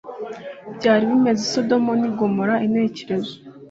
byari bimeze i Sodomu n’i Gomora. Intekerezo